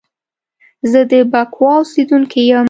زه د بکواه اوسیدونکی یم